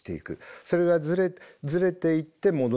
それがズレていって戻る。